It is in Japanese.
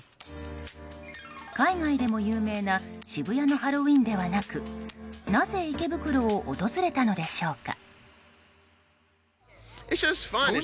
海外でも有名な渋谷のハロウィーンではなくなぜ池袋を訪れたのでしょうか？